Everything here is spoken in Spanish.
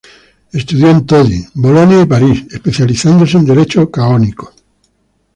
Estudió en Todi, Bolonia y París, especializándose en Derecho Canónico.